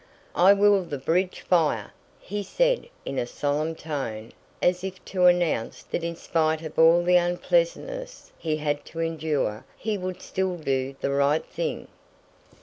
"I will the bridge fire," he said in a solemn tone as if to announce that in spite of all the unpleasantness he had to endure he would still do the right thing.